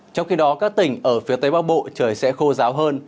trong khi đó các tỉnh ở phía tây bắc bộ trời sẽ khô ráo hơn